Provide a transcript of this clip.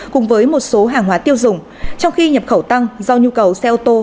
cùng với một số hàng hóa tiêu dùng trong khi nhập khẩu tăng do nhu cầu xe ô tô